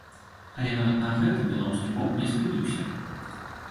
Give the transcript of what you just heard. Але нават на гэтым беларускі бок не спыніўся.